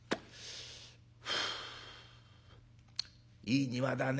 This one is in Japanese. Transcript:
「いい庭だね。